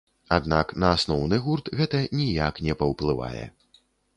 Аднак, на асноўны гурт гэта ніяк не паўплывае.